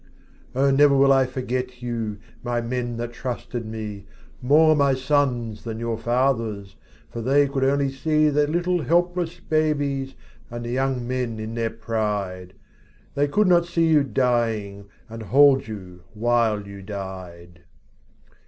Oh, never will I forget you, My men that trusted me. More my sons than your fathers'. For they could only see The little helpless babies And the young men in their pride. They could not see you dying. And hold you while you died.